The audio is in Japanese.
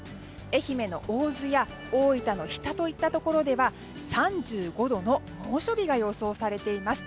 愛媛や大分の日田といったところでは３５度の猛暑日が予想されています。